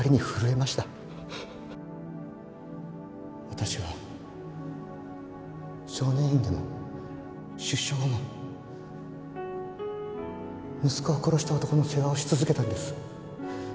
私は少年院でも出所後も息子を殺した男の世話をし続けたんです。